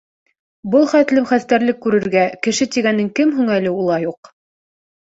Был хәтлем хәстәрлек күрергә... кеше тигәнең кем һуң әле улай уҡ?